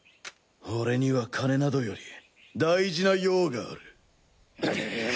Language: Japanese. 俺には金などより大事な用がある。